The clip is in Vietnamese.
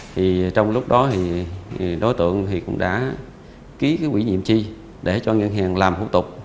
thì trong lúc đó đối tượng cũng đã ký cái quỹ nhiệm chi để cho ngân hàng làm hữu tục